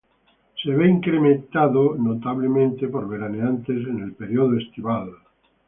Se ve incrementado notablemente por veraneantes en el periodo estival.